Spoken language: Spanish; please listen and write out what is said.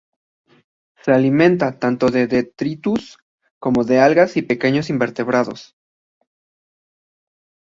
Se alimenta, tanto de detritus, como de algas y pequeños invertebrados.